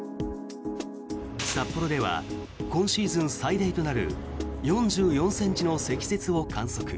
札幌では今シーズン最大となる４４ｃｍの積雪を観測。